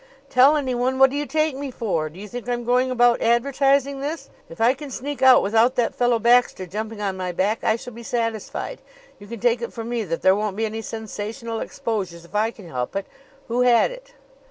"Tell anyone! What do you take me for? Do you think I am going about advertising this? If I can sneak out without that fellow Baxter jumping on my back I shall be satisfied. You can take it from me that there won't be any sensational exposures if I can help it. Who had it?"